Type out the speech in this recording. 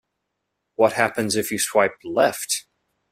What happens if you swipe left?